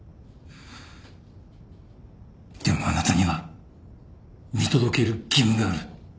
でもあなたには見届ける義務がある。